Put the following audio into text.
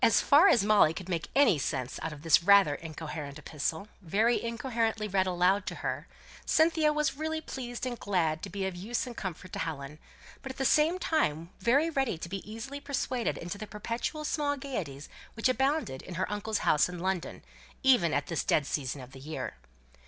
As far as Molly could make any sense out of this rather incoherent epistle, very incoherently read aloud to her, Cynthia was really pleased, and glad to be of use and comfort to Helen, but at the same time very ready to be easily persuaded into the perpetual small gaieties which abounded in her uncle's house in London, even at this dead season of the year.